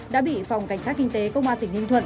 đã bị phòng cảnh sát kinh tế công an tỉnh ninh thuận